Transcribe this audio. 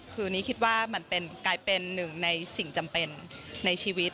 คือนี้คิดว่ามันกลายเป็นหนึ่งในสิ่งจำเป็นในชีวิต